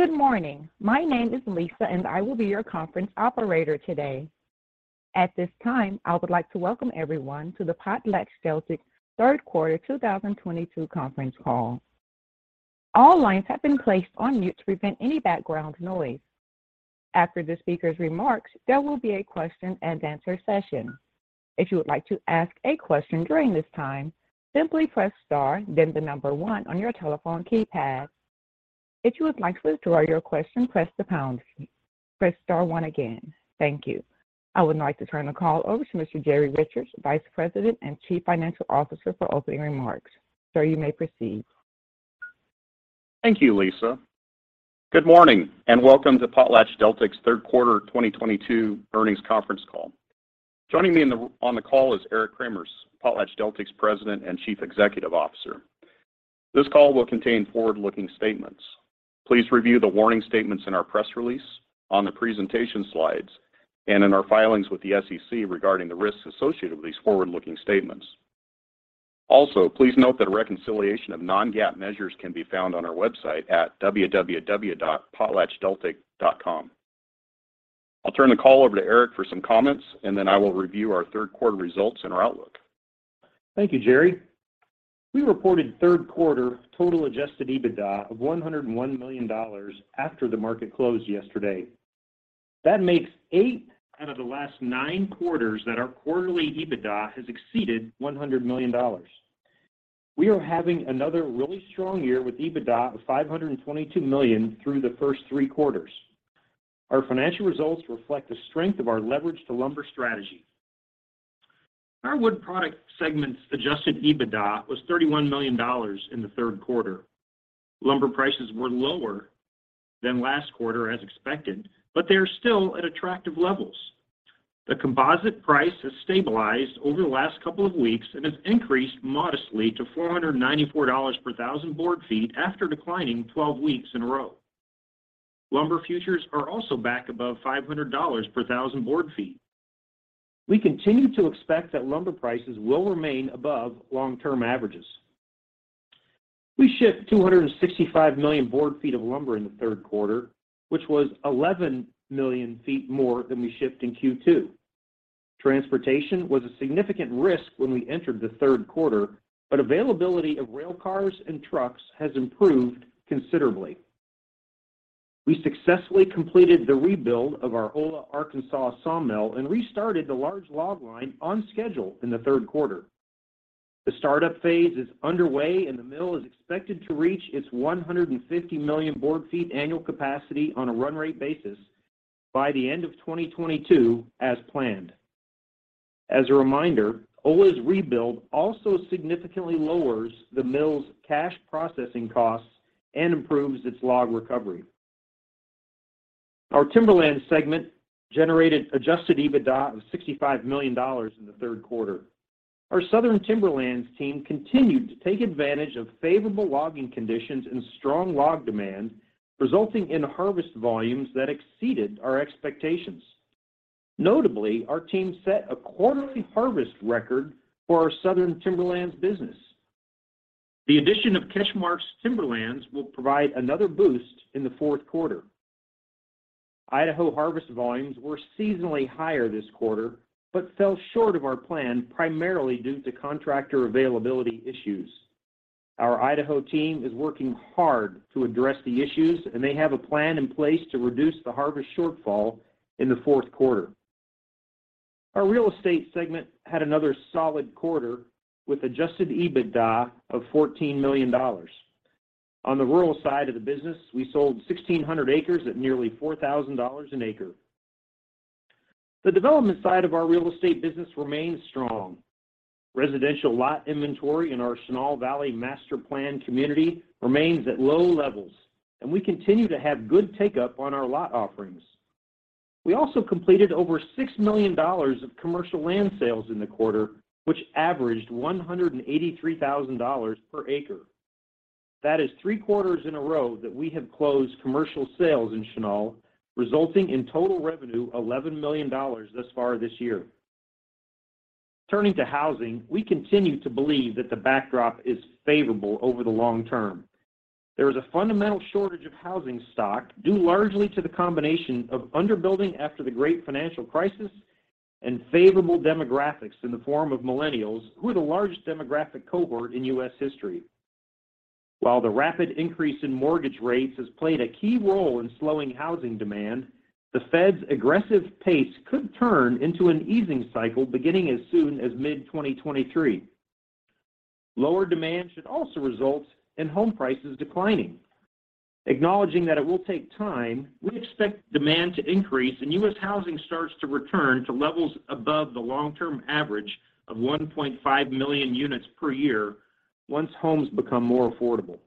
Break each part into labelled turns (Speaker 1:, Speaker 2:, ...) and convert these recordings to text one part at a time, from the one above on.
Speaker 1: Good morning. My name is Lisa, and I will be your conference operator today. At this time, I would like to Welcome everyone to the PotlatchDeltic third quarter 2022 conference call. All lines have been placed on mute to prevent any background noise. After the speaker's remarks, there will be a question-and-answer session. If you would like to ask a question during this time, simply press star then the number one on your telephone keypad. If you would like to withdraw your question, press the pound key. Press star one again. Thank you. I would now like to turn the call over to Mr. Jerry Richards, Vice President and Chief Financial Officer, for opening remarks. Sir, you may proceed.
Speaker 2: Thank you, Lisa. Good morning, and welcome to PotlatchDeltic's third quarter 2022 earnings conference call. Joining me on the call is Eric Cremers, PotlatchDeltic's President and Chief Executive Officer. This call will contain forward-looking statements. Please review the warning statements in our press release, on the presentation slides, and in our filings with the SEC regarding the risks associated with these forward-looking statements. Also, please note that a reconciliation of non-GAAP measures can be found on our website at www.potlatchdeltic.com. I'll turn the call over to Eric for some comments, and then I will review our third quarter results and our outlook.
Speaker 3: Thank you, Jerry. We reported third quarter total adjusted EBITDA of $101 million after the market closed yesterday. That makes eight out of the last nine quarters that our quarterly EBITDA has exceeded $100 million. We are having another really strong year with EBITDA of $522 million through the first three quarters. Our financial results reflect the strength of our leverage to lumber strategy. Our wood product segment's adjusted EBITDA was $31 million in the third quarter. Lumber prices were lower than last quarter as expected, but they are still at attractive levels. The composite price has stabilized over the last couple of weeks and has increased modestly to $494 per 1,000 board feet after declining 12 weeks in a row. Lumber futures are also back above $500 per 1,000 board feet. We continue to expect that lumber prices will remain above long-term averages. We shipped 265 million board feet of lumber in the third quarter, which was 11 million feet more than we shipped in Q2. Transportation was a significant risk when we entered the third quarter, but availability of rail cars and trucks has improved considerably. We successfully completed the rebuild of our Ola, Arkansas sawmill and restarted the large log line on schedule in the third quarter. The startup phase is underway, and the mill is expected to reach its 150 million board feet annual capacity on a run rate basis by the end of 2022 as planned. As a reminder, Ola's rebuild also significantly lowers the mill's cash processing costs and improves its log recovery. Our Timberlands segment generated adjusted EBITDA of $65 million in the third quarter. Our Southern Timberlands team continued to take advantage of favorable logging conditions and strong log demand, resulting in harvest volumes that exceeded our expectations. Notably, our team set a quarterly harvest record for our Southern Timberlands business. The addition of CatchMark's Timberlands will provide another boost in the fourth quarter. Idaho harvest volumes were seasonally higher this quarter but fell short of our plan primarily due to contractor availability issues. Our Idaho team is working hard to address the issues, and they have a plan in place to reduce the harvest shortfall in the fourth quarter. Our Real Estate segment had another solid quarter with adjusted EBITDA of $14 million. On the rural side of the business, we sold 1,600 acres at nearly $4,000 an acre. The development side of our real estate business remains strong. Residential lot inventory in our Chenal Valley Master Plan community remains at low levels, and we continue to have good take-up on our lot offerings. We also completed over $6 million of commercial land sales in the quarter, which averaged $183,000 per acre. That is three quarters in a row that we have closed commercial sales in Chenal, resulting in total revenue $11 million thus far this year. Turning to housing, we continue to believe that the backdrop is favorable over the long term. There is a fundamental shortage of housing stock due largely to the combination of under-building after the great financial crisis and favorable demographics in the form of millennials who are the largest demographic cohort in U.S. history. While the rapid increase in mortgage rates has played a key role in slowing housing demand, the Fed's aggressive pace could turn into an easing cycle beginning as soon as mid-2023. Lower demand should also result in home prices declining. Acknowledging that it will take time, we expect demand to increase and U.S. housing starts to return to levels above the long-term average of 1.5 million units per year once homes become more affordable.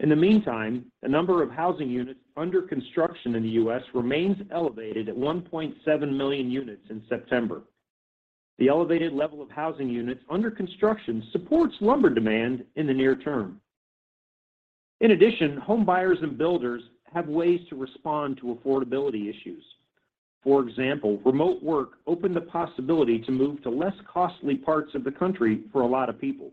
Speaker 3: In the meantime, the number of housing units under construction in the U.S. remains elevated at 1.7 million units in September. The elevated level of housing units under construction supports lumber demand in the near term. In addition, home buyers and builders have ways to respond to affordability issues. For example, remote work opened the possibility to move to less costly parts of the country for a lot of people.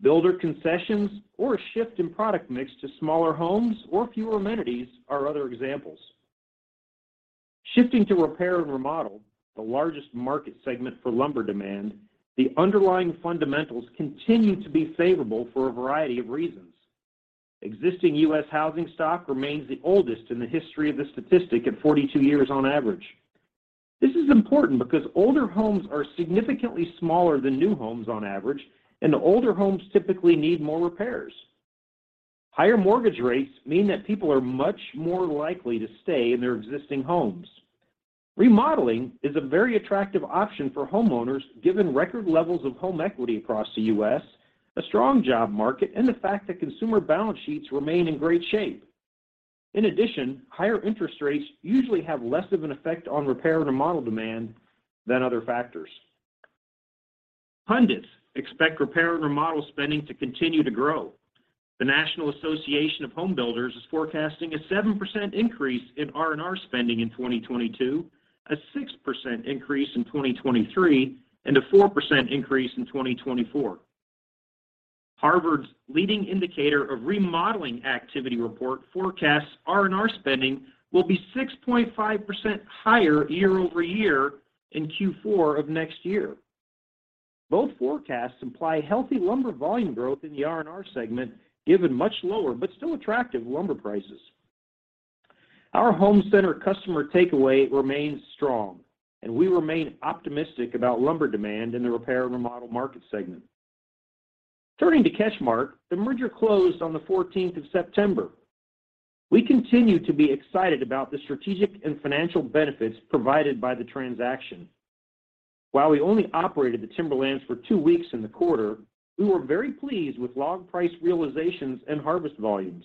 Speaker 3: Builder concessions or a shift in product mix to smaller homes or fewer amenities are other examples. Shifting to repair and remodel, the largest market segment for lumber demand, the underlying fundamentals continue to be favorable for a variety of reasons. Existing U.S. housing stock remains the oldest in the history of the statistic at 42 years on average. This is important because older homes are significantly smaller than new homes on average, and older homes typically need more repairs. Higher mortgage rates mean that people are much more likely to stay in their existing homes. Remodeling is a very attractive option for homeowners, given record levels of home equity across the U.S., a strong job market, and the fact that consumer balance sheets remain in great shape. In addition, higher interest rates usually have less of an effect on repair and remodel demand than other factors. Pundits expect repair and remodel spending to continue to grow. The National Association of Home Builders is forecasting a 7% increase in R&R spending in 2022, a 6% increase in 2023, and a 4% increase in 2024. Harvard's Leading Indicator of Remodeling Activity report forecasts R&R spending will be 6.5% higher year-over-year in Q4 of next year. Both forecasts imply healthy lumber volume growth in the R&R segment, given much lower, but still attractive lumber prices. Our home center customer takeaway remains strong, and we remain optimistic about lumber demand in the repair and remodel market segment. Turning to CatchMark, the merger closed on the fourteenth of September. We continue to be excited about the strategic and financial benefits provided by the transaction. While we only operated the timberlands for two weeks in the quarter, we were very pleased with log price realizations and harvest volumes.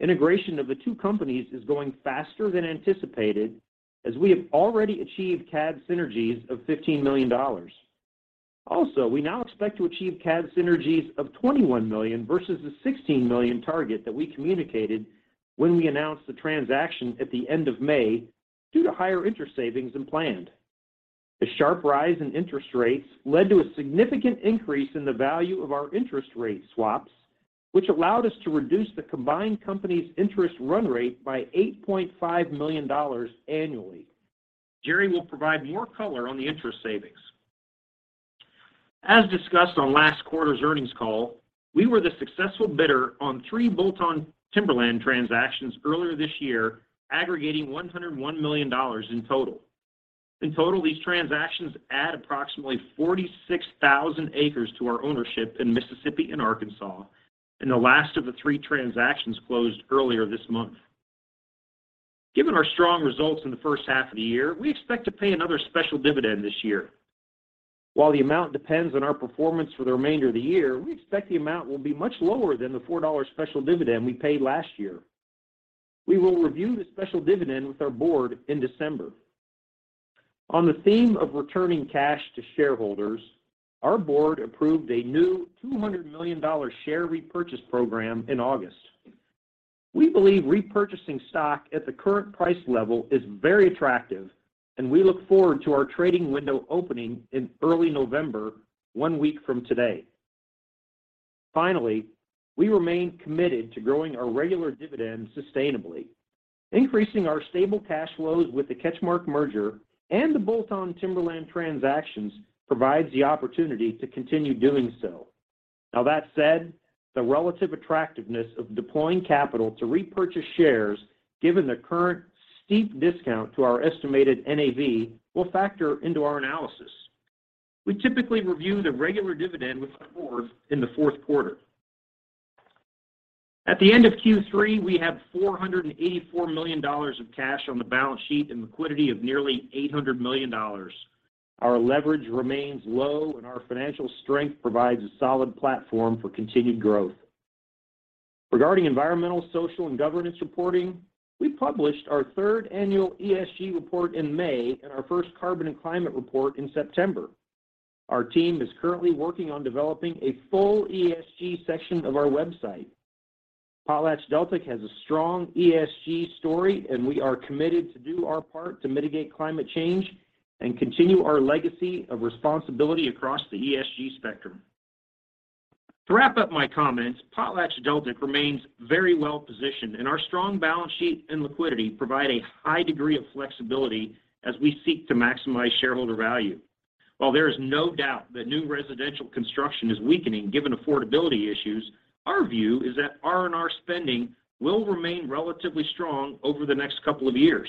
Speaker 3: Integration of the two companies is going faster than anticipated, as we have already achieved G&A synergies of $15 million. Also, we now expect to achieve G&A synergies of $21 million versus the $16 million target that we communicated when we announced the transaction at the end of May due to higher interest savings than planned. The sharp rise in interest rates led to a significant increase in the value of our interest rate swaps, which allowed us to reduce the combined company's interest run rate by $8.5 million annually. Jerry will provide more color on the interest savings. As discussed on last quarter's earnings call, we were the successful bidder on three bolt-on timberland transactions earlier this year, aggregating $101 million in total. In total, these transactions add approximately 46,000 acres to our ownership in Mississippi and Arkansas, and the last of the three transactions closed earlier this month. Given our strong results in the first half of the year, we expect to pay another special dividend this year. While the amount depends on our performance for the remainder of the year, we expect the amount will be much lower than the $4 special dividend we paid last year. We will review the special dividend with our board in December. On the theme of returning cash to shareholders, our board approved a new $200 million share repurchase program in August. We believe repurchasing stock at the current price level is very attractive, and we look forward to our trading window opening in early November, one week from today. Finally, we remain committed to growing our regular dividend sustainably. Increasing our stable cash flows with the CatchMark merger and the bolt-on timberland transactions provides the opportunity to continue doing so. Now that said, the relative attractiveness of deploying capital to repurchase shares, given the current steep discount to our estimated NAV, will factor into our analysis. We typically review the regular dividend with our board in the fourth quarter. At the end of Q3, we have $484 million of cash on the balance sheet and liquidity of nearly $800 million. Our leverage remains low, and our financial strength provides a solid platform for continued growth. Regarding environmental, social, and governance reporting, we published our third annual ESG report in May and our first carbon and climate report in September. Our team is currently working on developing a full ESG section of our website. PotlatchDeltic has a strong ESG story, and we are committed to do our part to mitigate climate change and continue our legacy of responsibility across the ESG spectrum. To wrap up my comments, PotlatchDeltic remains very well-positioned, and our strong balance sheet and liquidity provide a high degree of flexibility as we seek to maximize shareholder value. While there is no doubt that new residential construction is weakening given affordability issues, our view is that R&R spending will remain relatively strong over the next couple of years.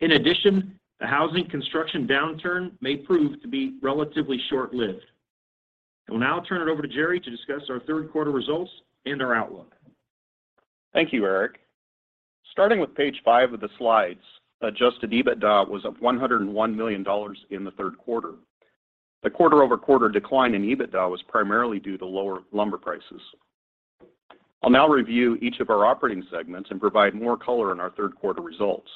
Speaker 3: In addition, the housing construction downturn may prove to be relatively short-lived. I will now turn it over to Jerry to discuss our third quarter results and our outlook.
Speaker 2: Thank you, Eric. Starting with page five of the slide's, adjusted EBITDA was up $101 million in the third quarter. The quarter-over-quarter decline in EBITDA was primarily due to lower lumber prices. I'll now review each of our operating segments and provide more color on our third quarter results.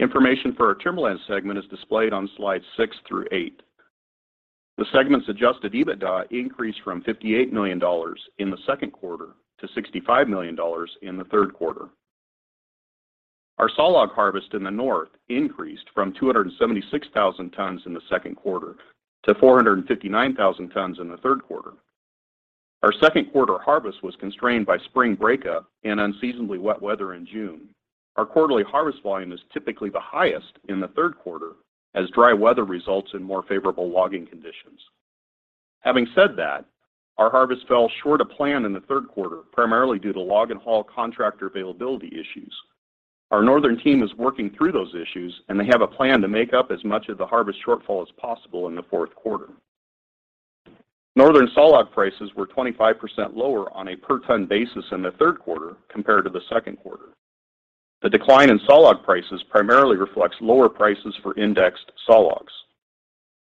Speaker 2: Information for our Timberlands segment is displayed on slides six through eight. The segment's adjusted EBITDA increased from $58 million in the second quarter to $65 million in the third quarter. Our sawlog harvest in the north increased from 276,000 tons in the second quarter to 459,000 tons in the third quarter. Our second quarter harvest was constrained by spring breakup and unseasonably wet weather in June. Our quarterly harvest volume is typically the highest in the third quarter as dry weather results in more favorable logging conditions. Having said that, our harvest fell short of plan in the third quarter, primarily due to log and haul contractor availability issues. Our northern team is working through those issues, and they have a plan to make up as much of the harvest shortfall as possible in the fourth quarter. Northern sawlog prices were 25% lower on a per ton basis in the third quarter compared to the second quarter. The decline in sawlog prices primarily reflects lower prices for indexed sawlogs.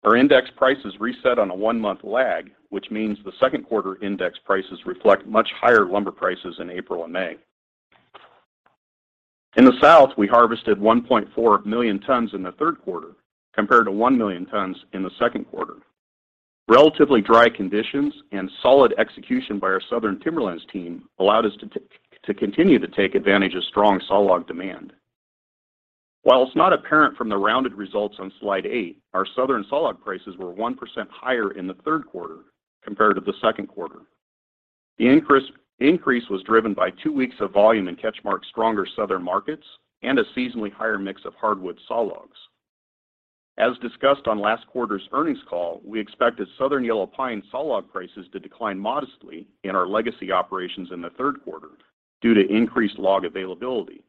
Speaker 2: Our index prices reset on a one-month lag, which means the second quarter index prices reflect much higher lumber prices in April and May. In the South, we harvested 1.4 million tons in the third quarter compared to 1 million tons in the second quarter. Relatively dry conditions and solid execution by our Southern Timberlands team allowed us to continue to take advantage of strong sawlog demand. While it's not apparent from the rounded results on slide eight, our southern sawlog prices were 1% higher in the third quarter compared to the second quarter. The increase was driven by two weeks of volume in CatchMark's stronger southern markets and a seasonally higher mix of hardwood sawlogs. As discussed on last quarter's earnings call, we expected Southern Yellow Pine sawlog prices to decline modestly in our legacy operations in the third quarter due to increased log availability.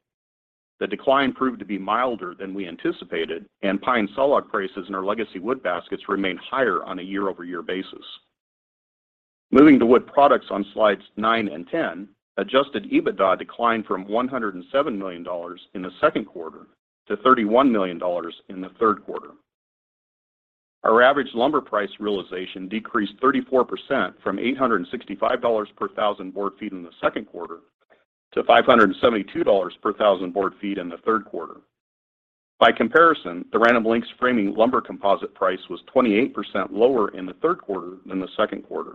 Speaker 2: The decline proved to be milder than we anticipated, and pine sawlog prices in our legacy wood baskets remained higher on a year-over-year basis. Moving to wood products on slides nine and 10, adjusted EBITDA declined from $107 million in the second quarter to $31 million in the third quarter. Our average lumber price realization decreased 34% from $865 per thousand board feet in the second quarter to $572 per thousand board feet in the third quarter. By comparison, the Random Lengths framing lumber composite price was 28% lower in the third quarter than the second quarter.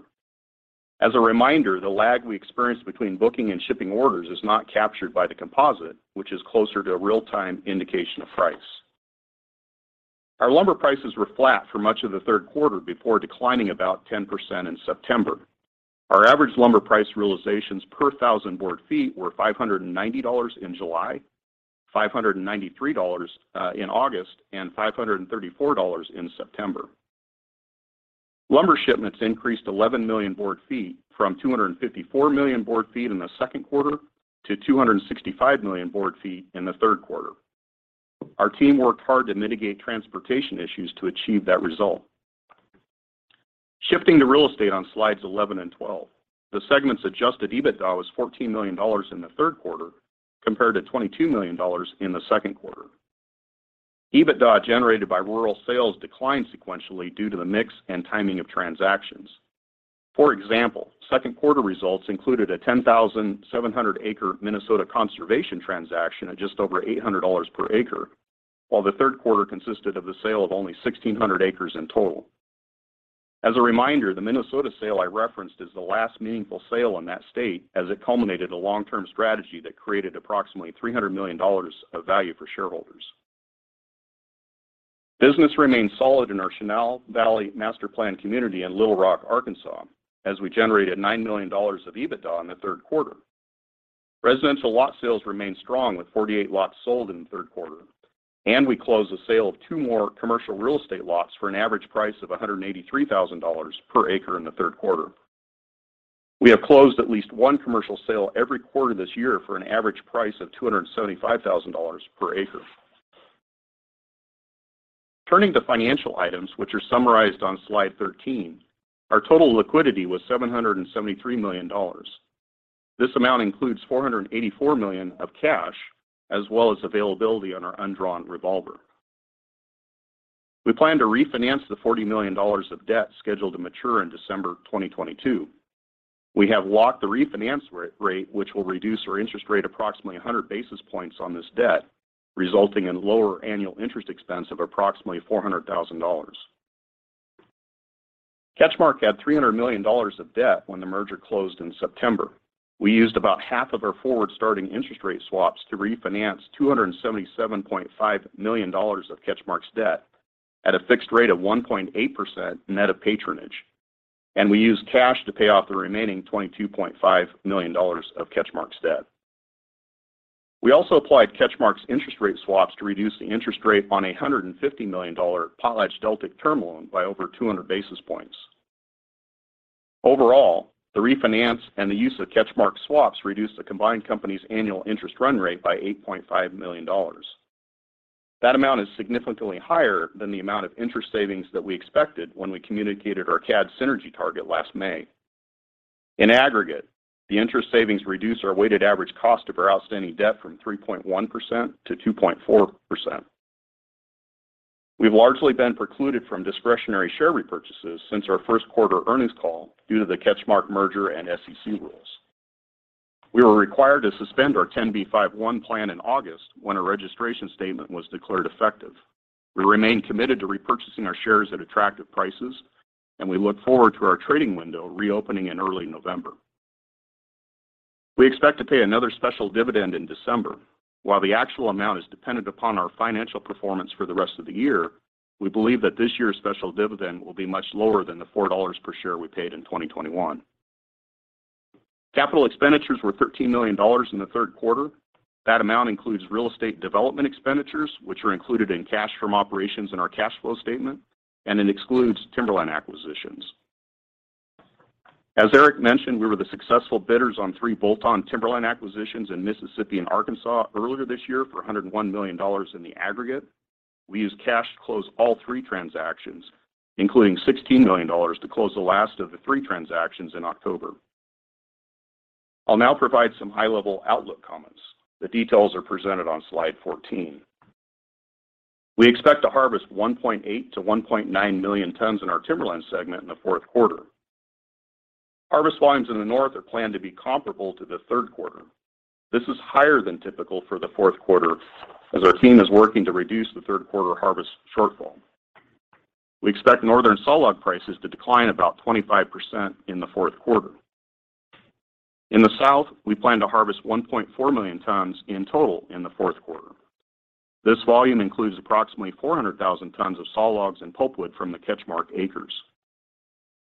Speaker 2: As a reminder, the lag we experience between booking and shipping orders is not captured by the composite, which is closer to a real-time indication of price. Our lumber prices were flat for much of the third quarter before declining about 10% in September. Our average lumber price realizations per thousand board feet were $590 in July, $593 in August, and $534 in September. Lumber shipments increased 11 million board feet from 254 million board feet in the second quarter to 265 million board feet in the third quarter. Our team worked hard to mitigate transportation issues to achieve that result. Shifting to real estate on slides 11 and 12, the segment's adjusted EBITDA was $14 million in the third quarter compared to $22 million in the second quarter. EBITDA generated by rural sales declined sequentially due to the mix and timing of transactions. For example, second quarter results included a 10,700-acre Minnesota conservation transaction at just over $800 per acre, while the third quarter consisted of the sale of only 1,600 acres in total. As a reminder, the Minnesota sale I referenced is the last meaningful sale in that state as it culminated a long-term strategy that created approximately $300 million of value for shareholders. Business remains solid in our Chenal Valley Master Plan community in Little Rock, Arkansas, as we generated $9 million of EBITDA in the third quarter. Residential lot sales remained strong with 48 lots sold in the third quarter, and we closed the sale of two more commercial real estate lots for an average price of $183,000 per acre in the third quarter. We have closed at least one commercial sale every quarter this year for an average price of $275,000 per acre. Turning to financial items which are summarized on slide 13, our total liquidity was $773 million. This amount includes $484 million of cash as well as availability on our undrawn revolver. We plan to refinance the $40 million of debt scheduled to mature in December 2022. We have locked the refinance rate, which will reduce our interest rate approximately 100 basis points on this debt, resulting in lower annual interest expense of approximately $400,000. CatchMark had $300 million of debt when the merger closed in September. We used about half of our forward-starting interest rate swaps to refinance $277.5 million of CatchMark's debt at a fixed rate of 1.8% net of patronage, and we used cash to pay off the remaining $22.5 million of CatchMark's debt. We also applied CatchMark's interest rate swaps to reduce the interest rate on a $150 million PotlatchDeltic term loan by over 200 basis points. Overall, the refinance and the use of CatchMark swaps reduced the combined company's annual interest run rate by $8.5 million. That amount is significantly higher than the amount of interest savings that we expected when we communicated our CAD synergy target last May. In aggregate, the interest savings reduced our weighted average cost of our outstanding debt from 3.1%-2.4%. We've largely been precluded from discretionary share repurchases since our first quarter earnings call due to the CatchMark merger and SEC rules. We were required to suspend our 10b5-1 plan in August when a registration statement was declared effective. We remain committed to repurchasing our shares at attractive prices, and we look forward to our trading window reopening in early November. We expect to pay another special dividend in December. While the actual amount is dependent upon our financial performance for the rest of the year, we believe that this year's special dividend will be much lower than the $4 per share we paid in 2021. Capital expenditures were $13 million in the third quarter. That amount includes real estate development expenditures, which are included in cash from operations in our cash flow statement, and it excludes timberland acquisitions. As Eric mentioned, we were the successful bidders on three bolt-on timberland acquisitions in Mississippi and Arkansas earlier this year for $101 million in the aggregate. We used cash to close all three transactions, including $16 million to close the last of the three transactions in October. I'll now provide some high-level outlook comments. The details are presented on slide 14. We expect to harvest 1.8-1.9 million tons in our timberland segment in the fourth quarter. Harvest volumes in the North are planned to be comparable to the third quarter. This is higher than typical for the fourth quarter as our team is working to reduce the third quarter harvest shortfall. We expect Northern sawlog prices to decline about 25% in the fourth quarter. In the South, we plan to harvest 1.4 million tons in total in the fourth quarter. This volume includes approximately 400,000 tons of sawlogs and pulpwood from the CatchMark acres.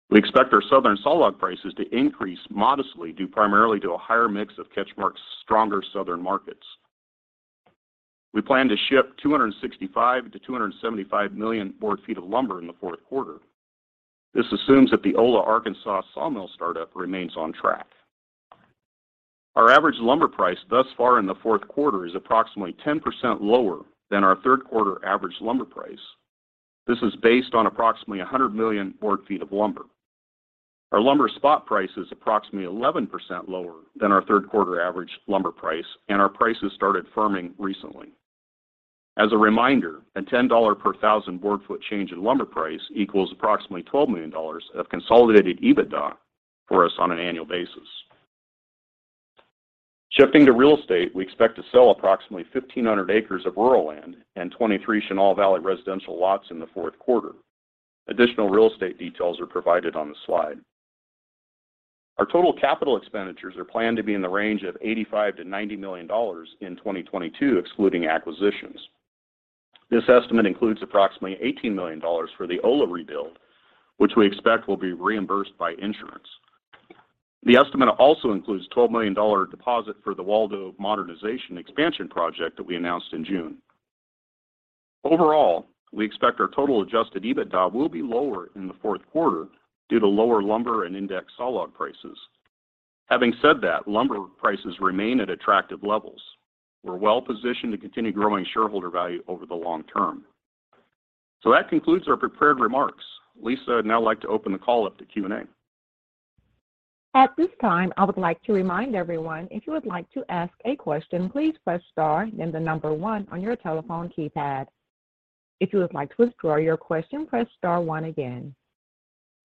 Speaker 2: We expect our Southern sawlog prices to increase modestly, due primarily to a higher mix of CatchMark's stronger Southern markets. We plan to ship 265-275 million board feet of lumber in the fourth quarter. This assumes that the Ola, Arkansas sawmill startup remains on track. Our average lumber price thus far in the fourth quarter is approximately 10% lower than our third quarter average lumber price. This is based on approximately 100 million board feet of lumber. Our lumber spot price is approximately 11% lower than our third quarter average lumber price, and our prices started firming recently. As a reminder, a $10 per 1,000 board foot change in lumber price equals approximately $12 million of consolidated EBITDA for us on an annual basis. Shifting to real estate, we expect to sell approximately 1,500 acres of rural land and 23 Chenal Valley residential lots in the fourth quarter. Additional real estate details are provided on the slide. Our total capital expenditures are planned to be in the range of $85 million-$90 million in 2022, excluding acquisitions. This estimate includes approximately $18 million for the Ola rebuild, which we expect will be reimbursed by insurance. The estimate also includes a $12 million deposit for the Waldo modernization expansion project that we announced in June. Overall, we expect our total adjusted EBITDA will be lower in the fourth quarter due to lower lumber and index sawlog prices. Having said that, lumber prices remain at attractive levels. We're well-positioned to continue growing shareholder value over the long term. That concludes our prepared remarks. Lisa would now like to open the call up to Q&A.
Speaker 1: At this time, I would like to remind everyone if you would like to ask a question, please press star, then the number one on your telephone keypad. If you would like to withdraw your question, press star one again.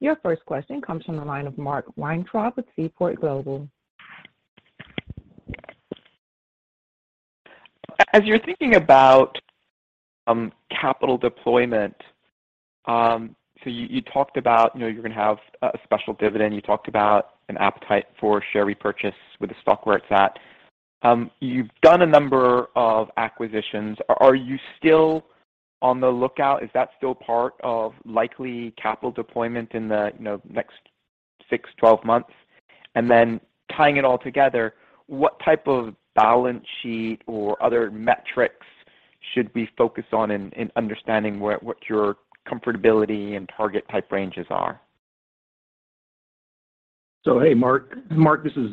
Speaker 1: Your first question comes from the line of Mark Weintraub with Seaport Global.
Speaker 4: As you're thinking about capital deployment, so you talked about, you know, you're going to have a special dividend. You talked about an appetite for share repurchase with the stock where it's at. You've done a number of acquisitions. Are you still on the lookout? Is that still part of likely capital deployment in the, you know, next six, 12 months? And then tying it all together, what type of balance sheet or other metrics should we focus on in understanding what your comfortability and target type ranges are?
Speaker 3: Hey, Mark. Mark, this is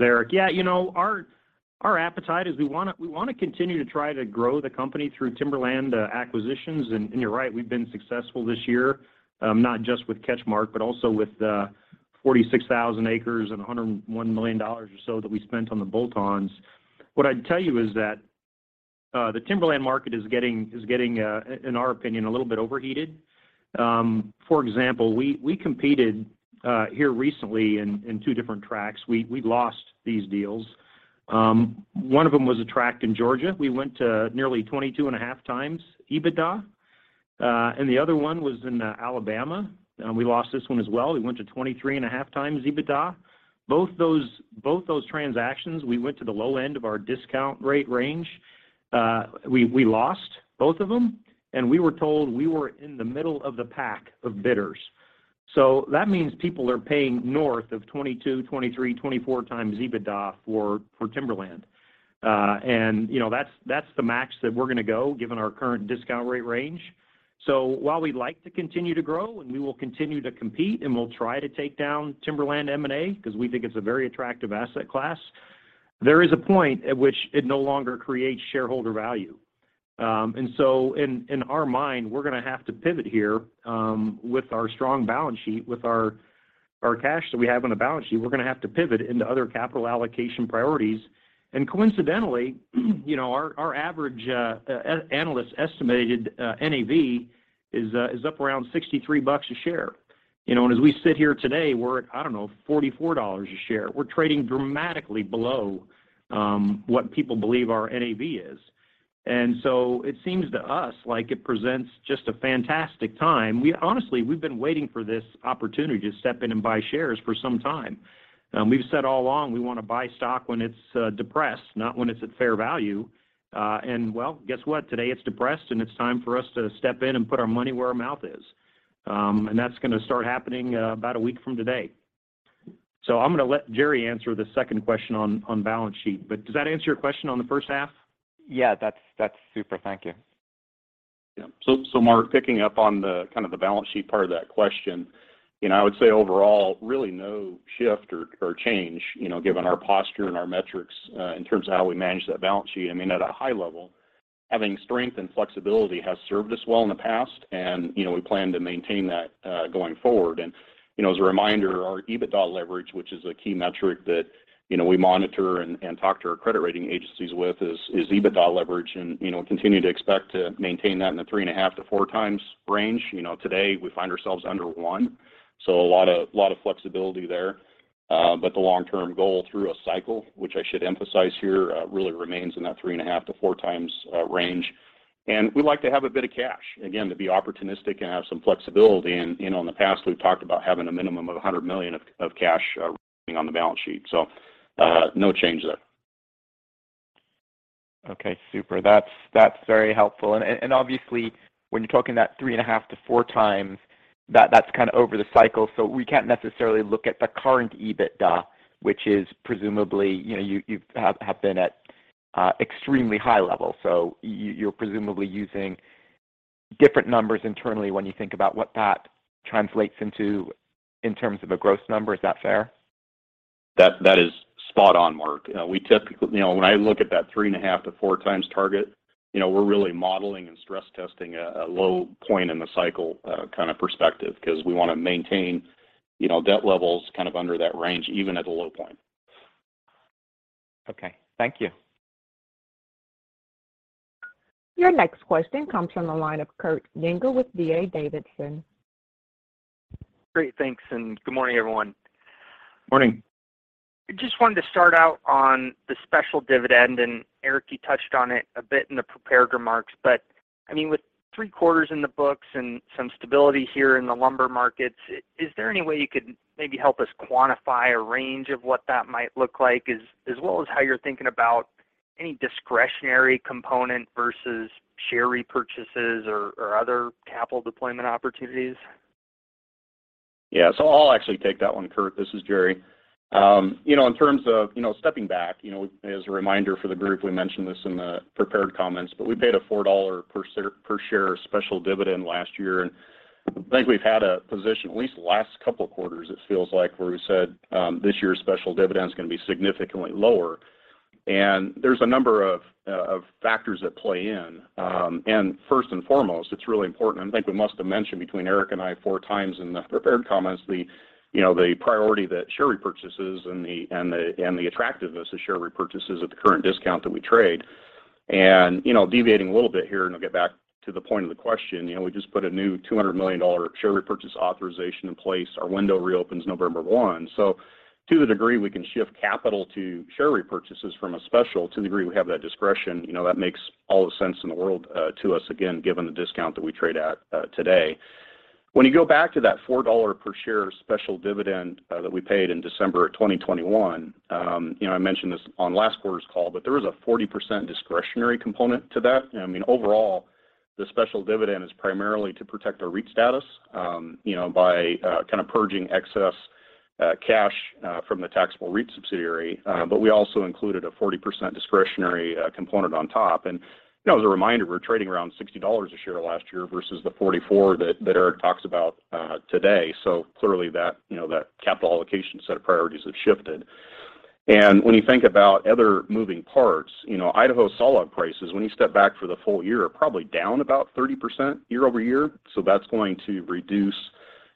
Speaker 3: Eric. Yeah, you know, our appetite is we wanna continue to try to grow the company through timberland acquisitions. You're right, we've been successful this year, not just with CatchMark, but also with 46,000 acres and $101 million or so that we spent on the bolt-ons. What I'd tell you is that the timberland market is getting in our opinion a little bit overheated. For example, we competed here recently in two different tracts. We lost these deals. One of them was a tract in Georgia. We went to nearly 22.5x EBITDA. The other one was in Alabama. We lost this one as well. We went to 23.5x EBITDA. Both those transactions, we went to the low end of our discount rate range. We lost both of them, and we were told we were in the middle of the pack of bidders. That means people are paying north of 22x, 23x, 24x EBITDA for timberland. You know, that's the max that we're gonna go given our current discount rate range. While we'd like to continue to grow and we will continue to compete and we'll try to take down timberland M&A because we think it's a very attractive asset class, there is a point at which it no longer creates shareholder value. In our mind, we're going to have to pivot here with our strong balance sheet, with our cash that we have on the balance sheet. We're going to have to pivot into other capital allocation priorities. Coincidentally, you know, our average analyst estimated NAV is up around $63 a share. You know, as we sit here today, we're at, I don't know, $44 a share. We're trading dramatically below what people believe our NAV is. It seems to us like it presents just a fantastic time. Honestly, we've been waiting for this opportunity to step in and buy shares for some time. We've said all along, we want to buy stock when it's depressed, not when it's at fair value. Well, guess what? Today it's depressed, and it's time for us to step in and put our money where our mouth is. That's gonna start happening about a week from today. I'm gonna let Jerry answer the second question on balance sheet, but does that answer your question on the first half?
Speaker 4: Yeah. That's super. Thank you.
Speaker 2: Yeah. Mark, picking up on the kind of the balance sheet part of that question, you know, I would say overall, really no shift or change, you know, given our posture and our metrics, in terms of how we manage that balance sheet. I mean, at a high level, having strength and flexibility has served us well in the past and, you know, we plan to maintain that, going forward. You know, as a reminder, our EBITDA leverage, which is a key metric that, you know, we monitor and talk to our credit rating agencies with is EBITDA leverage and, you know, continue to expect to maintain that in the 3.5x-4x range. You know, today we find ourselves under one, so a lot of flexibility there. The long-term goal through a cycle, which I should emphasize here, really remains in that 3.5x-4x range. We like to have a bit of cash, again, to be opportunistic and have some flexibility. You know, in the past, we've talked about having a minimum of $100 million of cash on the balance sheet. No change there.
Speaker 4: Okay. Super. That's very helpful. And obviously when you're talking that 3.5x-4x that's kind of over the cycle, so we can't necessarily look at the current EBITDA, which is presumably, you know, you have been at extremely high level. So, you're presumably using different numbers internally when you think about what that translates into in terms of a gross number. Is that fair?
Speaker 2: That is spot on, Mark. You know, when I look at that 3.5x-4x target, you know, we're really modeling and stress testing a low point in the cycle, kind of perspective cause we wanna maintain, you know, debt levels kind of under that range, even at the low point.
Speaker 4: Okay. Thank you.
Speaker 1: Your next question comes from the line of Kurt Yinger with D.A. Davidson.
Speaker 5: Great. Thanks, and good morning, everyone.
Speaker 2: Morning.
Speaker 5: I just wanted to start out on the special dividend, and Eric, you touched on it a bit in the prepared remarks, but I mean, with three quarters in the books and some stability here in the lumber markets, is there any way you could maybe help us quantify a range of what that might look like as well as how you're thinking about any discretionary component versus share repurchases or other capital deployment opportunities?
Speaker 2: Yeah. I'll actually take that one, Kurt. This is Jerry. You know, in terms of, you know, stepping back, you know, as a reminder for the group, we mentioned this in the prepared comments, but we paid a $4 per share special dividend last year, and I think we've had a position at least the last couple quarters, it feels like, where we said this year's special dividend is gonna be significantly lower. There's a number of factors that play in. First and foremost, it's really important. I think we must have mentioned between Eric and I 4x in the prepared comments, you know, the priority that share repurchases and the attractiveness of share repurchases at the current discount that we trade. You know, deviating a little bit here, and I'll get back to the point of the question. You know, we just put a new $200 million share repurchase authorization in place. Our window reopens November 1. To the degree we can shift capital to share repurchases from a special to the degree we have that discretion, you know, that makes all the sense in the world to us, again, given the discount that we trade at, today. When you go back to that $4 per share special dividend, that we paid in December of 2021, you know, I mentioned this on last quarter's call, but there is a 40% discretionary component to that. You know, I mean, overall, the special dividend is primarily to protect our REIT status, you know, by kind of purging excess cash from the taxable REIT subsidiary. We also included a 40% discretionary component on top. You know, as a reminder, we're trading around $60 a share last year versus the $44 that Eric talks about today. Clearly that capital allocation set of priorities have shifted. When you think about other moving parts, you know, Idaho sawlog prices, when you step back for the full year, are probably down about 30% year-over-year. That's going to reduce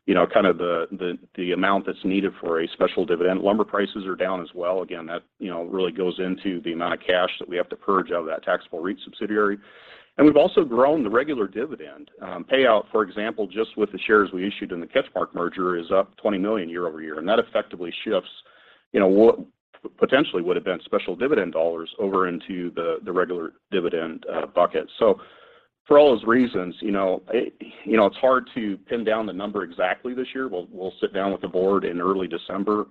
Speaker 2: the amount that's needed for a special dividend. Lumber prices are down as well. Again, that, you know, really goes into the amount of cash that we have to purge out of that taxable REIT subsidiary. We've also grown the regular dividend. Payout, for example, just with the shares we issued in the CatchMark merger is up $20 million year-over-year, and that effectively shifts, you know, what potentially would've been special dividend dollars over into the regular dividend, bucket. For all those reasons, you know, it, you know, it's hard to pin down the number exactly this year. We'll sit down with the board in early December,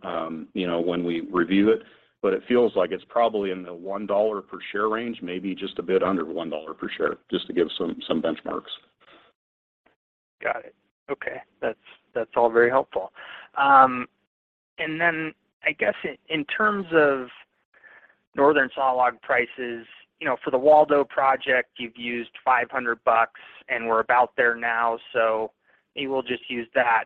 Speaker 2: you know, when we review it, but it feels like it's probably in the $1 per share range, maybe just a bit under $1 per share just to give some benchmarks.
Speaker 5: Got it. Okay. That's all very helpful. In terms of northern sawlog prices, you know, for the Waldo project, you've used $500, and we're about there now, so maybe we'll just use that.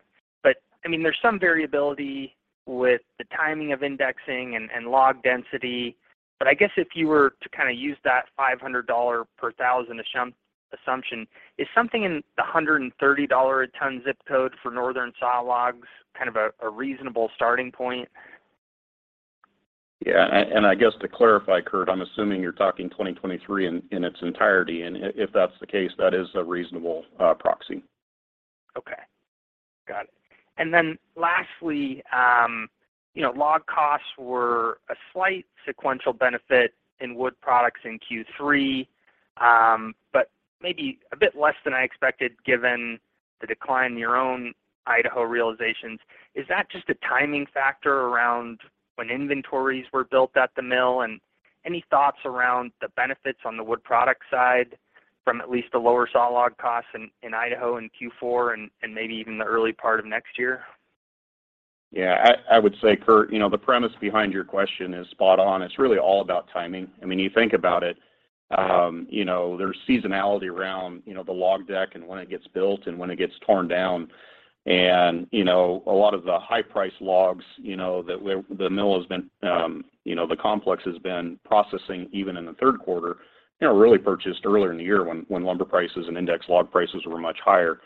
Speaker 5: I mean, there's some variability with the timing of indexing and log density. I guess if you were to use that $500 per 1,000 assumption, is something in the $130 a ton zip code for northern sawlogs a reasonable starting point?
Speaker 2: Yeah, I guess to clarify, Kurt, I'm assuming you're talking 2023 in its entirety, and if that's the case, that is a reasonable proxy.
Speaker 5: Okay. Got it. Lastly, you know, log costs were a slight sequential benefit in wood products in Q3, but maybe a bit less than I expected given the decline in your own Idaho realizations. Is that just a timing factor around when inventories were built at the mill? Any thoughts around the benefits on the wood product side from at least the lower saw log costs in Idaho in Q4 and maybe even the early part of next year?
Speaker 2: Yeah, I would say, Kurt, you know, the premise behind your question is spot on. It's really all about timing. I mean, you think about it, you know, there's seasonality around, you know, the log deck and when it gets built and when it gets torn down. You know, a lot of the high price logs, you know, that were the mill has been, you know, the complex has been processing even in the third quarter, you know, really purchased earlier in the year when lumber prices and index log prices were much higher.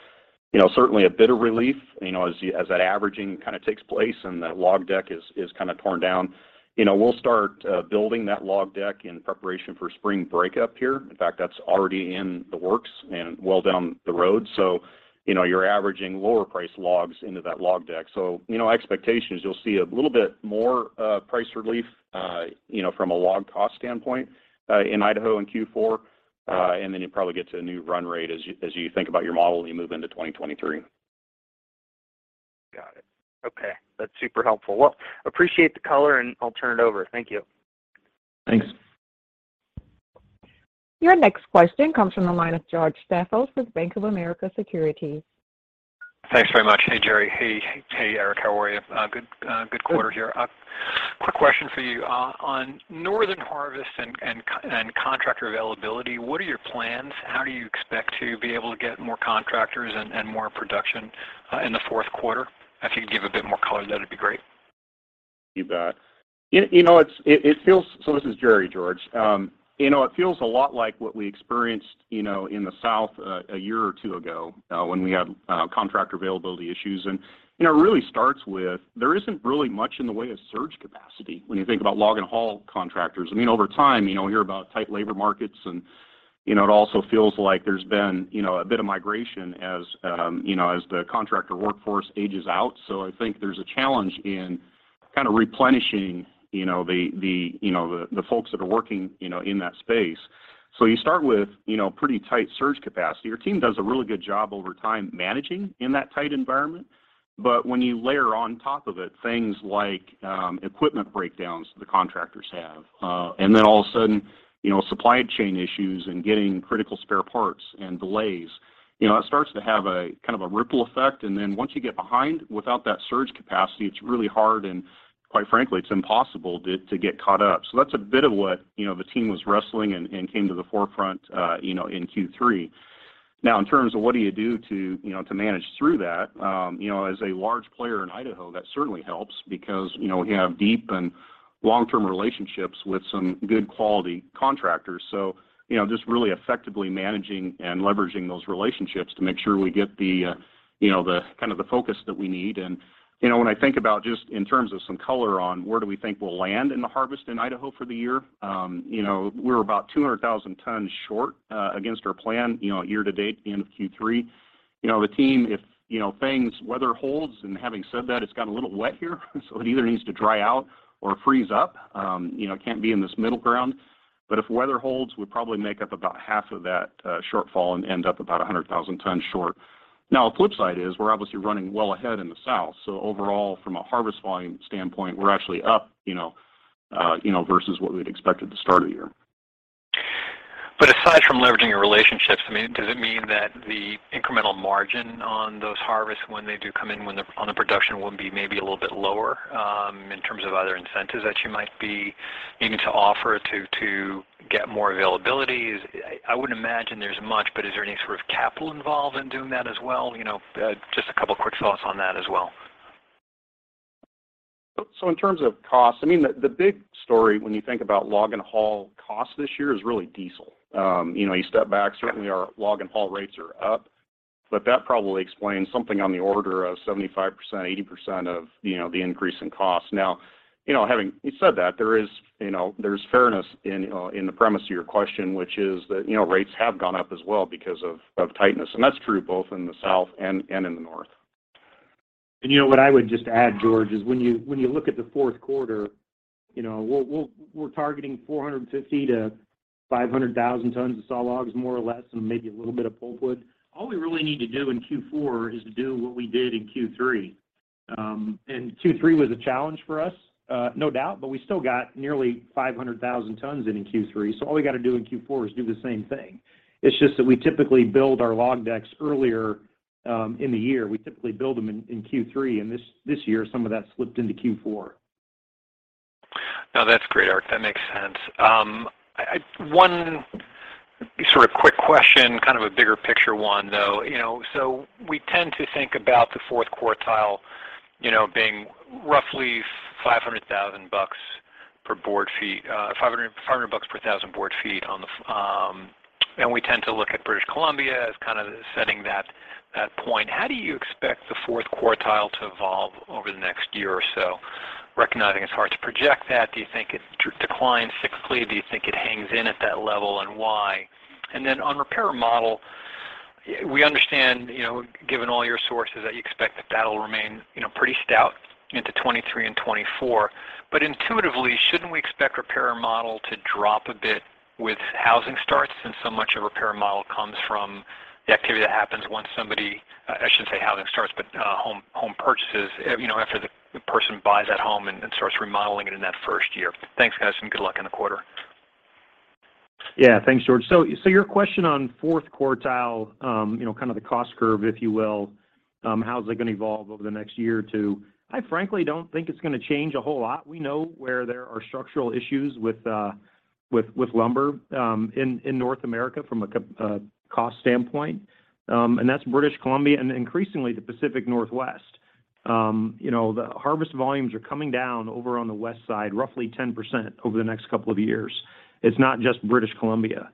Speaker 2: You know, certainly a bit of relief, you know, as that averaging kind of takes place, and the log deck is kind of torn down. You know, we'll start building that log deck in preparation for spring breakup here. In fact, that's already in the works and well down the road. You know, you're averaging lower price logs into that log deck. You know, expectations, you'll see a little bit more price relief, you know, from a log cost standpoint, in Idaho in Q4, and then you probably get to a new run rate as you think about your model when you move into 2023.
Speaker 5: Got it. Okay. That's super helpful. Well, appreciate the color, and I'll turn it over. Thank you.
Speaker 2: Thanks.
Speaker 1: Your next question comes from the line of George Staphos with Bank of America Securities.
Speaker 6: Thanks very much. Hey, Jerry. Hey, Eric. How are you? Good, good quarter here. Quick question for you on northern harvest and contractor availability. What are your plans? How do you expect to be able to get more contractors and more production in the fourth quarter? If you could give a bit more color, that'd be great.
Speaker 2: You bet. This is Jerry, George. You know, it feels a lot like what we experienced, you know, in the South, a year or two ago, when we had contractor availability issues. You know, it really starts with there isn't really much in the way of surge capacity when you think about log and haul contractors. I mean, over time, you know, hear about tight labor markets, and, you know, it also feels like there's been, you know, a bit of migration as, you know, as the contractor workforce ages out. I think there's a challenge in kind of replenishing, you know, the folks that are working, you know, in that space. You start with, you know, pretty tight surge capacity. Your team does a really good job over time managing in that tight environment. When you layer on top of it things like, equipment breakdowns the contractors have, and then all of a sudden, you know, supply chain issues and getting critical spare parts and delays, you know, it starts to have a kind of a ripple effect. Once you get behind without that surge capacity, it's really hard, and quite frankly, it's impossible to get caught up. That's a bit of what, you know, the team was wrestling and came to the forefront, you know, in Q3. Now in terms of what do you do to, you know, to manage through that, you know, as a large player in Idaho, that certainly helps because, you know, we have deep and long-term relationships with some good quality contractors. you know, just really effectively managing and leveraging those relationships to make sure we get the, you know, the kind of the focus that we need. you know, when I think about just in terms of some color on where do we think we'll land in the harvest in Idaho for the year, you know, we're about 200,000 tons short against our plan, you know, year to date the end of Q3. weather holds, and having said that, it's gotten a little wet here, so it either needs to dry out or freeze up. you know, it can't be in this middle ground. if weather holds, we'll probably make up about half of that, shortfall and end up about 100,000 tons short. Now the flip side is we're obviously running well ahead in the South. Overall from a harvest volume standpoint, we're actually up, you know, you know, versus what we'd expected at the start of the year.
Speaker 6: Aside from leveraging your relationships, I mean, does it mean that the incremental margin on those harvests when they do come in on the production will be maybe a little bit lower, in terms of other incentives that you might be needing to offer to get more availability? I wouldn't imagine there's much, but is there any sort of capital involved in doing that as well? You know, just a couple quick thoughts on that as well.
Speaker 2: In terms of cost, I mean, the big story when you think about log and haul cost this year is really diesel. You know, you step back, certainly our log and haul rates are up, but that probably explains something on the order of 75%, 80% of, you know, the increase in cost. Now, you know, having said that, there is, you know, there's fairness in the premise of your question, which is that, you know, rates have gone up as well because of tightness, and that's true both in the South and in the North.
Speaker 3: You know what I would just add, George, is when you look at the fourth quarter, you know, we're targeting 450,000-500,000 tons of saw logs more or less, and maybe a little bit of pulpwood. All we really need to do in Q4 is to do what we did in Q3. Q3 was a challenge for us, no doubt, but we still got nearly 500,000 tons in Q3. All we gotta do in Q4 is do the same thing. It's just that we typically build our log decks earlier in the year. We typically build them in Q3, and this year, some of that slipped into Q4.
Speaker 6: No, that's great, Eric. That makes sense. One sort of quick question, kind of a bigger picture one though. You know, we tend to think about the fourth quarter, you know, being roughly $500,000 per board feet, $500 per 1,000 board feet on the. We tend to look at British Columbia as kind of setting that point. How do you expect the fourth quarter to evolve over the next year or so, recognizing it's hard to project that? Do you think it declines quickly? Do you think it hangs in at that level, and why? On repair and remodel, we understand, you know, given all your sources that you expect that that'll remain, you know, pretty stout into 2023 and 2024. Intuitively, shouldn't we expect remodeling to drop a bit with housing starts since so much of remodeling comes from the activity that happens, I shouldn't say housing starts, but home purchases, you know, after the person buys that home and starts remodeling it in that first year. Thanks, guys, and good luck in the quarter.
Speaker 3: Yeah. Thanks, George. Your question on fourth quartile, you know, kind of the cost curve, if you will, how's it gonna evolve over the next year or two? I frankly don't think it's gonna change a whole lot. We know where there are structural issues with lumber in North America from a cost standpoint, and that's British Columbia and increasingly the Pacific Northwest. You know, the harvest volumes are coming down over on the west side roughly 10% over the next couple of years. It's not just British Columbia.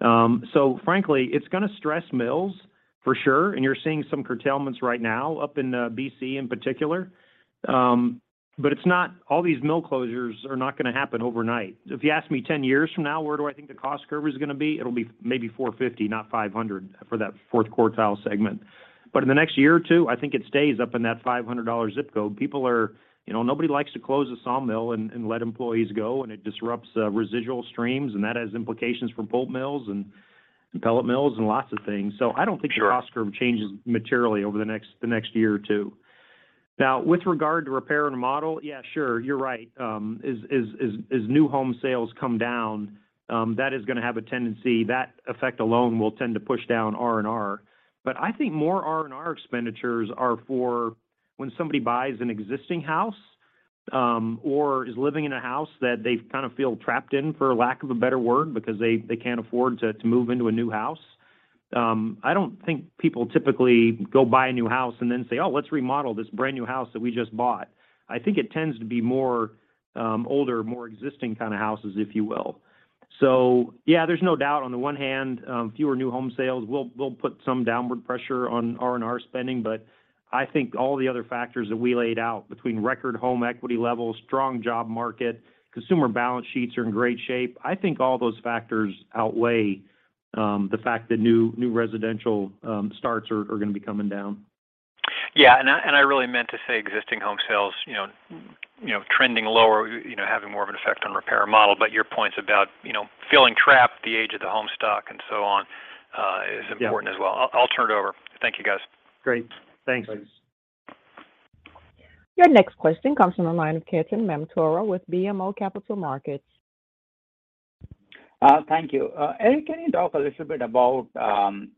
Speaker 3: Frankly, it's gonna stress mills for sure, and you're seeing some curtailments right now up in BC in particular. But it's not. All these mill closures are not gonna happen overnight. If you ask me 10 years from now, where do I think the cost curve is gonna be, it'll be maybe $450, not $500 for that fourth quartile segment. In the next year or two, I think it stays up in that $500 ZIP code. People are, you know, nobody likes to close a sawmill and let employees go, and it disrupts residual streams, and that has implications for pulp mills and pellet mills and lots of things. I don't think
Speaker 6: Sure.
Speaker 3: The cost curve changes materially over the next year or two. Now with regard to repair and remodel, yeah, sure. You're right. As new home sales come down, that is gonna have a tendency. That effect alone will tend to push down R&R. I think more R&R expenditures are for when somebody buys an existing house, or is living in a house that they kind of feel trapped in, for lack of a better word because they can't afford to move into a new house. I don't think people typically go buy a new house and then say, "Oh, let's remodel this brand-new house that we just bought." I think it tends to be more older, more existing kind of houses, if you will. Yeah, there's no doubt on the one hand, fewer new home sales will put some downward pressure on R&R spending. I think all the other factors that we laid out between record home equity levels, strong job market, consumer balance sheets are in great shape. I think all those factors outweigh the fact that new residential starts are gonna be coming down.
Speaker 6: Yeah. I really meant to say existing home sales, you know, trending lower, you know, having more of an effect on remodel. But your points about, you know, feeling trapped, the age of the housing stock and so on, is important as well.
Speaker 3: Yeah.
Speaker 6: I'll turn it over. Thank you, guys.
Speaker 3: Great. Thanks.
Speaker 2: Thanks.
Speaker 1: Your next question comes from the line of Ketan Mamtora with BMO Capital Markets.
Speaker 7: Thank you. Eric, can you talk a little bit about,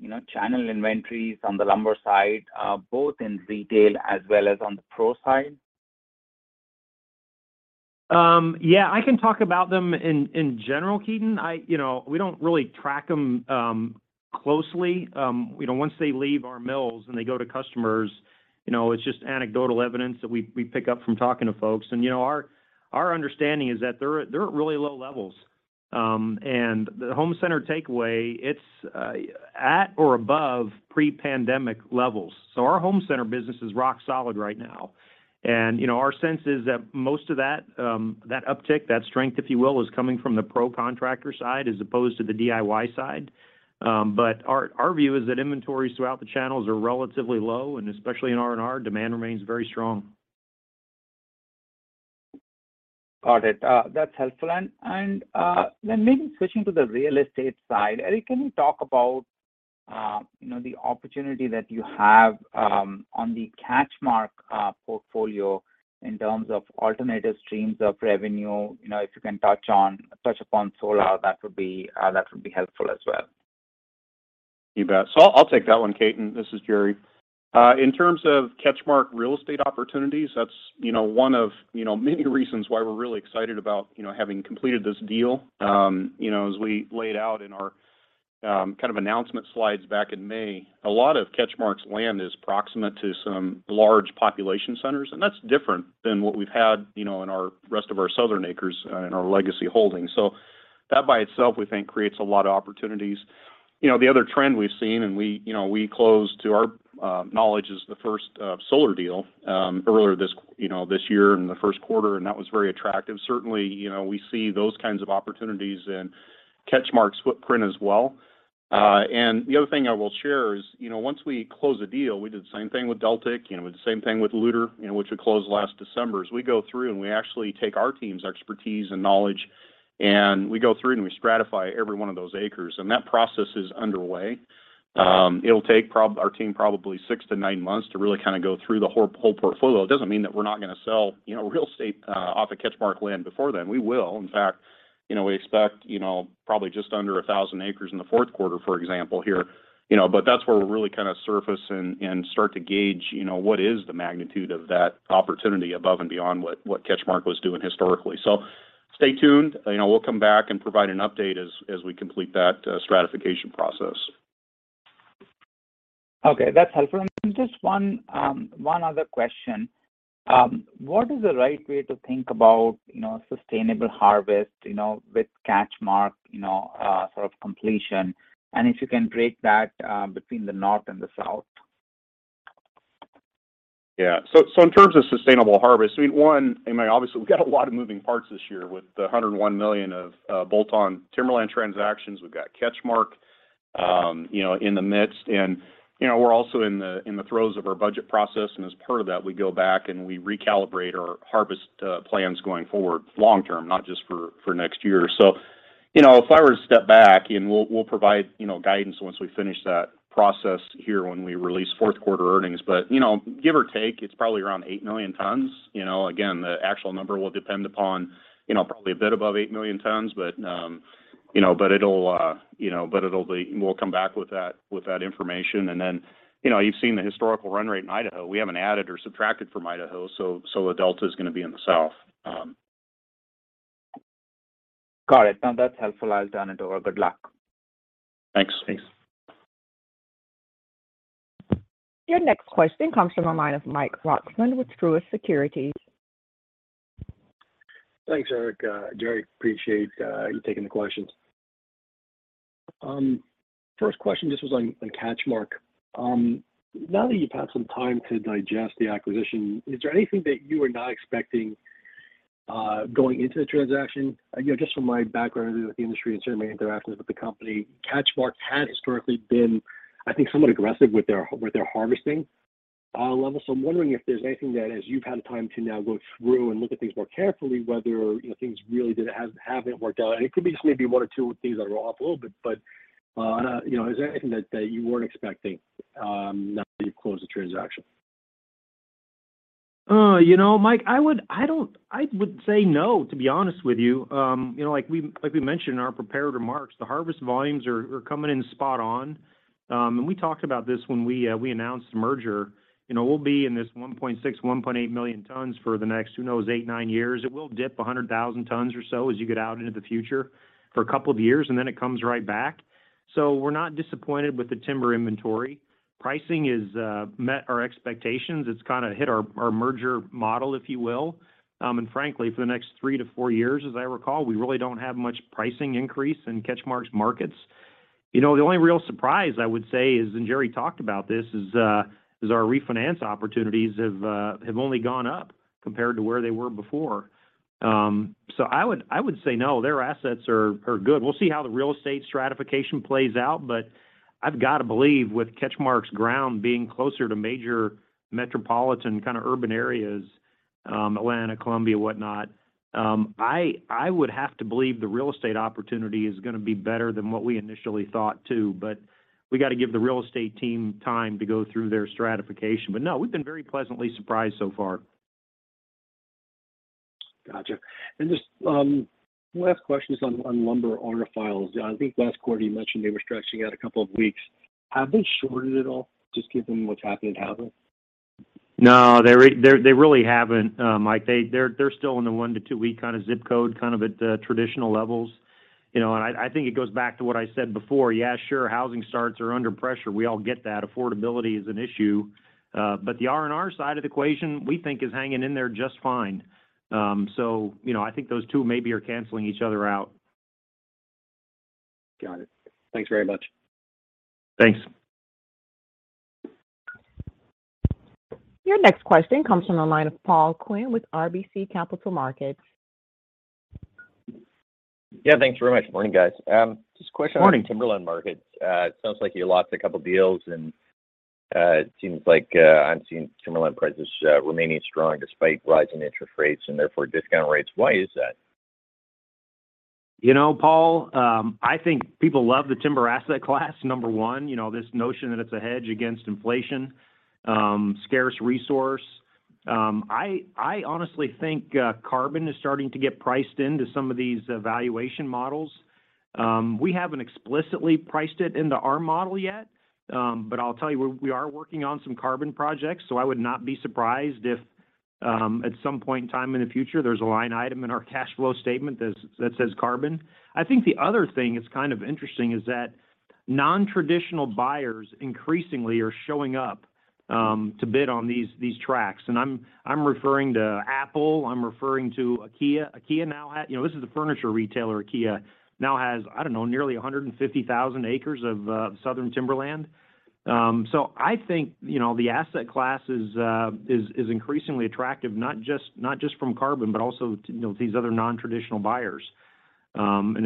Speaker 7: you know, channel inventories on the lumber side, both in retail as well as on the pro side?
Speaker 3: Yeah. I can talk about them in general, Ketan. You know, we don't really track them closely. You know, once they leave our mills and they go to customers, you know, it's just anecdotal evidence that we pick up from talking to folks. You know, our understanding is that they're at really low levels. The home center takeaway is at or above pre-pandemic levels. Our home center business is rock solid right now. You know, our sense is that most of that uptick, that strength, if you will, is coming from the pro contractor side as opposed to the DIY side. But our view is that inventories throughout the channels are relatively low, and especially in R&R, demand remains very strong.
Speaker 7: Got it. That's helpful. Maybe switching to the real estate side. Eric, can you talk about the opportunity that you have on the CatchMark portfolio in terms of alternative streams of revenue? If you can touch upon solar, that would be helpful as well.
Speaker 2: You bet. I'll take that one, Ketan. This is Jerry. In terms of CatchMark real estate opportunities, that's, you know, one of, you know, many reasons why we're really excited about, you know, having completed this deal. You know, as we laid out in our kind of announcement slides back in May, a lot of CatchMark's land is proximate to some large population centers, and that's different than what we've had, you know, in our rest of our southern acres in our legacy holdings. That by itself, we think creates a lot of opportunities. You know, the other trend we've seen, and we, you know, we know, to our knowledge, is the first solar deal earlier this, you know, this year in the first quarter, and that was very attractive. Certainly, you know, we see those kinds of opportunities in CatchMark's footprint as well. The other thing I will share is, you know, once we close a deal, we did the same thing with Deltic, you know, we did the same thing with Loutre, you know, which we closed last December, is we go through and we actually take our team's expertise and knowledge, and we go through and we stratify every one of those acres, and that process is underway. It'll take our team probably six to nine months to really kind of go through the whole portfolio. It doesn't mean that we're not gonna sell, you know, real estate off of CatchMark land before then. We will. In fact, you know, we expect, you know, probably just under 1,000 acres in the fourth quarter, for example, here. You know, that's where we're really kind of surface and start to gauge, you know, what is the magnitude of that opportunity above and beyond what CatchMark was doing historically. Stay tuned. You know, we'll come back and provide an update as we complete that stratification process.
Speaker 7: Okay, that's helpful. Just one other question. What is the right way to think about, you know, sustainable harvest, you know, with CatchMark, you know, sort of completion? If you can break that between the North and the South.
Speaker 3: Yeah. So in terms of sustainable harvest, I mean, obviously we've got a lot of moving parts this year with the $101 million of bolt-on timberland transactions. We've got CatchMark, you know, in the midst. You know, we're also in the throes of our budget process, and as part of that, we go back and we recalibrate our harvest plans going forward long-term, not just for next year. You know, if I were to step back, we'll provide you know, guidance once we finish that process here when we release fourth quarter earnings. You know, give or take, it's probably around 8 million tons. You know, again, the actual number will depend upon you know, probably a bit above 8 million tons. It'll be. We'll come back with that information. You've seen the historical run rate in Idaho. We haven't added or subtracted from Idaho, so the delta's gonna be in the South.
Speaker 7: Got it. No, that's helpful. I'll turn it over. Good luck.
Speaker 3: Thanks.
Speaker 1: Your next question comes from the line of Mike Roxland with Truist Securities.
Speaker 8: Thanks, Eric, Jerry. Appreciate you taking the questions. First question just was on CatchMark. Now that you've had some time to digest the acquisition, is there anything that you were not expecting going into the transaction? You know, just from my background with the industry and certainly interactions with the company, CatchMark had historically been, I think, somewhat aggressive with their harvesting level. So I'm wondering if there's anything that as you've had time to now go through and look at things more carefully, whether you know, things really haven't worked out. It could be just maybe one or two things that are off a little bit, but you know, is there anything that you weren't expecting now that you've closed the transaction?
Speaker 3: You know, Mike, I would say no, to be honest with you. You know, like we mentioned in our prepared remarks, the harvest volumes are coming in spot on. We talked about this when we announced the merger. You know, we'll be in these 1.6-1.8 million tons for the next, who knows, 8-9 years. It will dip 100,000 tons or so as you get out into the future for a couple of years, and then it comes right back. We're not disappointed with the timber inventory. Pricing is met our expectations. It's kinda hit our merger model, if you will. Frankly, for the next three to four years, as I recall, we really don't have much pricing increase in CatchMark's markets. You know, the only real surprise I would say is, and Jerry talked about this, is our refinance opportunities have only gone up compared to where they were before. I would say no, their assets are good. We'll see how the real estate stratification plays out, but I've got to believe with CatchMark's ground being closer to major metropolitan kind of urban areas, Atlanta, Columbia, whatnot, I would have to believe the real estate opportunity is gonna be better than what we initially thought too. We gotta give the real estate team time to go through their stratification. No, we've been very pleasantly surprised so far.
Speaker 8: Gotcha. Just last question is on lumber order files. I think last quarter you mentioned they were stretching out a couple of weeks. Have they shortened at all, just given what's happened in housing?
Speaker 3: No, they really haven't, Mike. They. They're still in the one- to two-week kind of zip code, kind of at traditional levels. You know, I think it goes back to what I said before. Yeah, sure, housing starts are under pressure. We all get that. Affordability is an issue. The R&R side of the equation, we think is hanging in there just fine. You know, I think those two maybe are canceling each other out.
Speaker 8: Got it. Thanks very much.
Speaker 3: Thanks.
Speaker 1: Your next question comes from the line of Paul Quinn with RBC Capital Markets.
Speaker 9: Yeah, thanks very much. Morning, guys. Just a question.
Speaker 3: Morning
Speaker 9: On the timberland markets. It sounds like you lost a couple deals, and it seems like I'm seeing timberland prices remaining strong despite rising interest rates and therefore discount rates. Why is that?
Speaker 3: You know, Paul, I think people love the timber asset class, number one. You know, this notion that it's a hedge against inflation, scarce resource. I honestly think carbon is starting to get priced into some of these valuation models. We haven't explicitly priced it into our model yet, but I'll tell you, we are working on some carbon projects, so I would not be surprised if at some point in time in the future, there's a line item in our cash flow statement that says carbon. I think the other thing that's kind of interesting is that non-traditional buyers increasingly are showing up to bid on these tracts. I'm referring to Apple. I'm referring to IKEA. You know, this is a furniture retailer. IKEA now has, I don't know, nearly 150,000 acres of Southern timberland. I think, you know, the asset class is increasingly attractive, not just from carbon, but also, you know, these other non-traditional buyers. When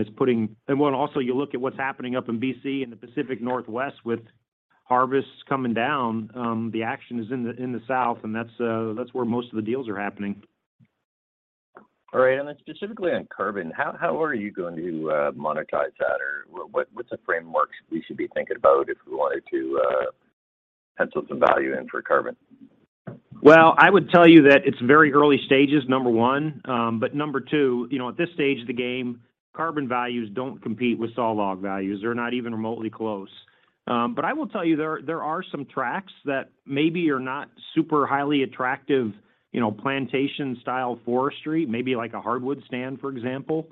Speaker 3: you also look at what's happening up in BC, in the Pacific Northwest with harvests coming down, the action is in the South, and that's where most of the deals are happening.
Speaker 9: All right. Specifically on carbon, how are you going to monetize that, or what's the frameworks we should be thinking about if we wanted to pencil some value in for carbon?
Speaker 3: Well, I would tell you that it's very early stages, number one. Number two, you know, at this stage of the game, carbon values don't compete with sawlog values. They're not even remotely close. I will tell you there are some tracts that maybe are not super highly attractive, you know, plantation-style forestry, maybe like a hardwood stand, for example,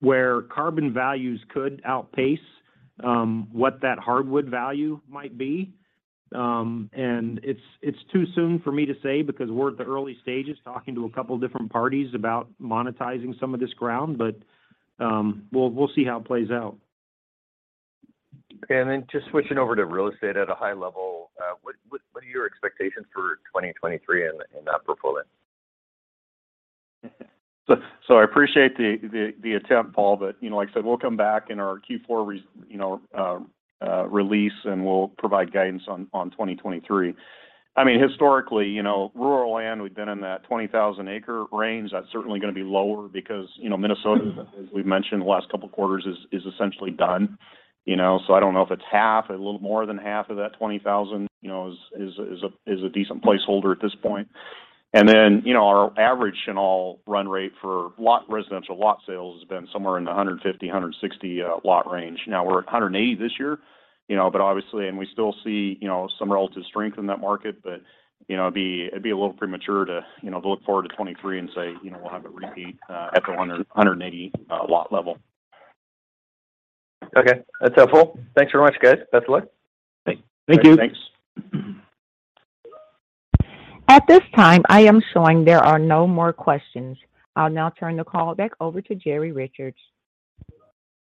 Speaker 3: where carbon values could outpace What that hardwood value might be. It's too soon for me to say because we're at the early stages talking to a couple different parties about monetizing some of this ground. We'll see how it plays out.
Speaker 9: Okay. Just switching over to real estate at a high level, what are your expectations for 2023 in that portfolio?
Speaker 2: I appreciate the attempt, Paul, but you know, like I said, we'll come back in our Q4 release, and we'll provide guidance on 2023. I mean, historically, you know, rural land, we've been in that 20,000-acre range. That's certainly gonna be lower because you know, Minnesota, as we've mentioned the last couple of quarters, is essentially done. You know, I don't know if it's half, a little more than half of that 20,000, you know, is a decent placeholder at this point. Then you know, our average annual run rate for residential lot sales has been somewhere in the 150, 160 lot range. Now we're at 180 this year, you know, but obviously. We still see, you know, some relative strength in that market. It'd be a little premature to, you know, to look forward to 2023 and say, you know, we'll have a repeat at the 180-lot level.
Speaker 9: Okay. That's helpful. Thanks very much, guys. Best of luck.
Speaker 2: Thank you.
Speaker 3: Thanks.
Speaker 1: At this time, I am showing there are no more questions. I'll now turn the call back over to Jerry Richards.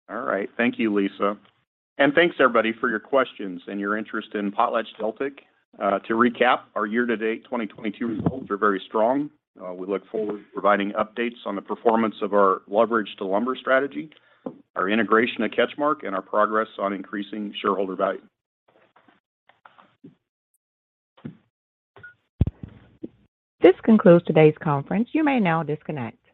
Speaker 2: All right. Thank you, Lisa. Thanks everybody for your questions and your interest in PotlatchDeltic. To recap, our year-to-date 2022 results are very strong. We look forward to providing updates on the performance of our leverage to lumber strategy, our integration at CatchMark, and our progress on increasing shareholder value.
Speaker 1: This concludes today's conference. You may now disconnect.